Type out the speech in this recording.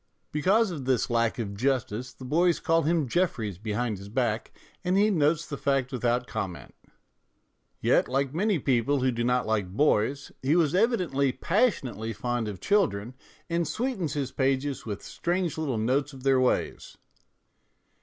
Because of this lack of justice the boys called him Jeffries behind his back, and he notes the fact without comment. Yet, like many people who do not like boys, he was evi dently passionately fond of children, and 282 MONOLOGUES sweetens his pages with strange little notes of their ways.